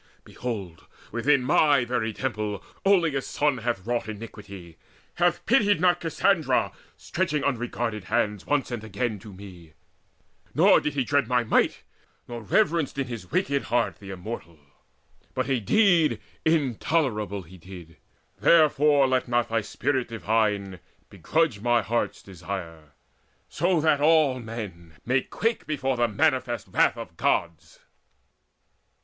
Behold, Within my very temple Oileus' son Hath wrought iniquity, hath pitied not Cassandra stretching unregarded hands Once and again to me; nor did he dread My might, nor reverenced in his wicked heart The Immortal, but a deed intolerable He did. Therefore let not thy spirit divine Begrudge mine heart's desire, that so all men May quake before the manifest wrath of Gods."